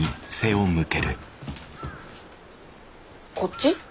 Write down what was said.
こっち？